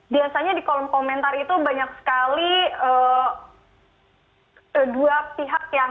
biasanya di kolom komentar itu banyak sekali dua pihak yang